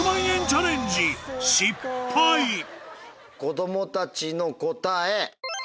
子供たちの答え。